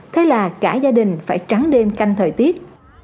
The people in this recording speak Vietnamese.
thế là cả gia đình phải trắng đêm canh thời tiết